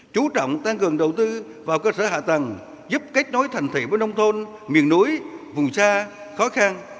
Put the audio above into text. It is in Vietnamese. chú trọng tăng cường đầu tư vào cơ sở hạ tầng giúp kết nối thành thị với nông thôn miền núi vùng xa khó khăn